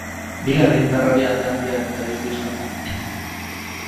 Bigarren indarrari alde handia atera diote islamdarrek.